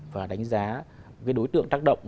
và đánh giá cái đối tượng tác động